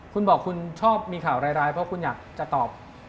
คุณบอกคุณชอบมีข่าวร้ายเพราะคุณอยากจะตอบ